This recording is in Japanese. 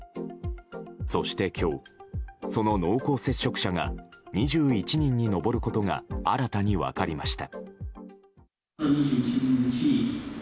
そして今日、その濃厚接触者が２１人に上ることが新たに分かりました。